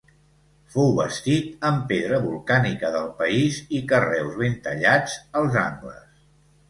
Fou bastit amb pedra volcànica del país i carreus ben tallats als angles.